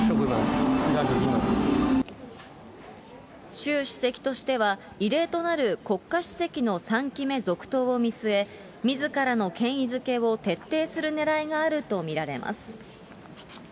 習主席としては、異例となる国家主席の３期目続投を見据え、みずからの権威づけを徹底するねらいがあると見られます。